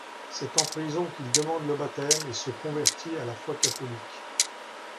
C'est en prison qu'il demande le baptême et se convertit à la foi catholique.